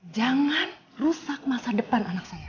jangan rusak masa depan anak saya